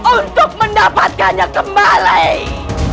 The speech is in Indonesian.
untuk mendapatkannya kembali